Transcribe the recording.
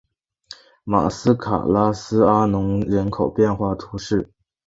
马斯卡拉斯阿龙人口变化图示